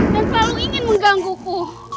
dan selalu ingin menggangguku